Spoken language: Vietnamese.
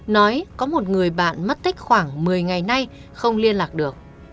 nói có một người bạn mất tích khoảng một mươi ngày nay không liên lạc được